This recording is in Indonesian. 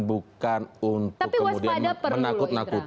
bukan untuk kemudian menakut nakuti